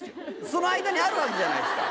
その間にあるわけじゃないですか。